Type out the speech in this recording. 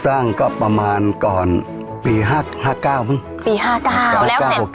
สร้างก็ประมาณก่อนปีห้าห้าเก้าหรือไหมปีห้าเก้าแล้วเจอ